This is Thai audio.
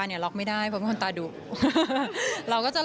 หลับได้ปะคะ